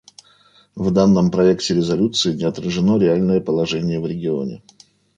В данном проекте резолюции не отражено реальное положение в регионе.